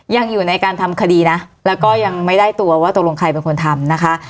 ยังอยู่ในการทำคดีนะแล้วก็ยังไม่ได้ตัวว่าตกลงใครเป็นคนทำนะคะ